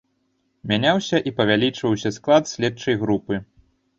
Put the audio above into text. Мяняўся і павялічваўся склад следчай групы.